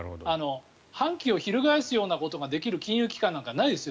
反旗を翻すようなことができる金融機関なんて、ないですよ。